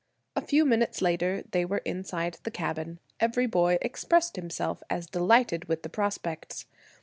A few minutes later they were inside the cabin. Every boy expressed himself as delighted with the prospects.